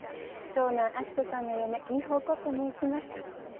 長男明人さんの嫁美保子と申します。